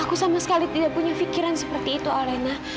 aku sama sekali tidak punya pikiran seperti itu olena